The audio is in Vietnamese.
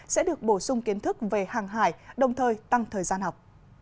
sẽ được bổ sung kiến thức về hàng hải đồng thời tăng thời gian học